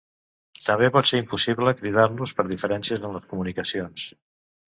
També pot ser impossible cridar-los per deficiències en les comunicacions.